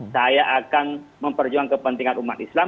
saya akan memperjuang kepentingan umat islam